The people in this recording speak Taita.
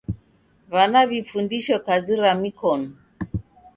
W'ana w'ifundisho kazi ra mikonu.